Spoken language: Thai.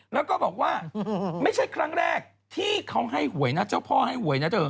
แล้วก็บอกว่าไม่ใช่ครั้งแรกที่เขาให้หวยนะเจ้าพ่อให้หวยนะเธอ